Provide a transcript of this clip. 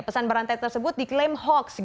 pesan berantai tersebut diklaim hoax